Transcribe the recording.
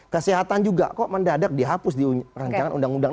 kesehatan juga kok mendadak dihapus di rancangan undang undang